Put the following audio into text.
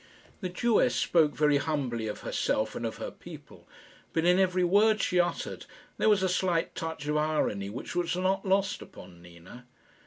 The Jewess spoke very humbly of herself and of her people; but in every word she uttered there was a slight touch of irony which was not lost upon Nina.